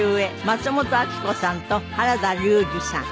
松本明子さんと原田龍二さん。